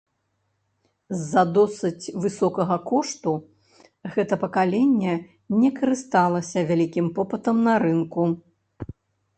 З-за досыць высокага кошту гэта пакаленне не карысталася вялікім попытам на рынку.